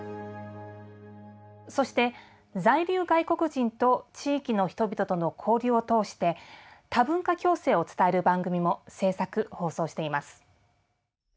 そして在留外国人と地域の人々との交流を通して多文化共生を伝える番組も制作放送しています。